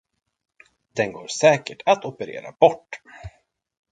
Den går säkert att operera bort.